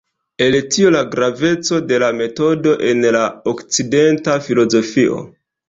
El tio la graveco de la metodo en la okcidenta filozofio.